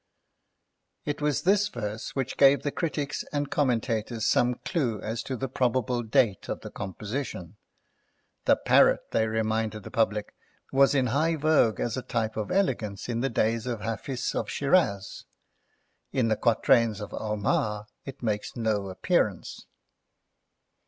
It was this verse which gave the critics and commentators some clue as to the probable date of the composition; the parrot, they reminded the public, was in high vogue as a type of elegance in the days of Hafiz of Shiraz; in the quatrains of Omar it makes no appearance.